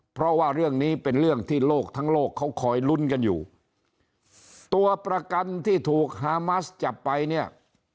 เพราะว่าเรื่องนี้เป็นเรื่องที่โลกทั้งโลกเขาคอยลุ้นกันอยู่ตัวประกันที่ถูกฮามัสจับไปเนี่ย